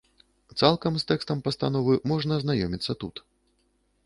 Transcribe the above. Цалкам з тэкстам пастановы можна азнаёміцца тут.